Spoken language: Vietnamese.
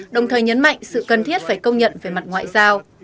đồng thời nhấn mạnh sự cần thiết phải công nhận về mặt ngoại giao